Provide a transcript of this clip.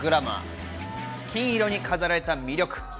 金色に飾られた魅力。